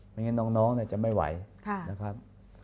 ไม่งั้นน้องจะไม่ไหวนะครับ